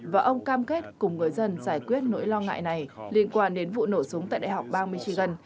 và ông cam kết cùng người dân giải quyết nỗi lo ngại này liên quan đến vụ nổ súng tại đại học bang michigan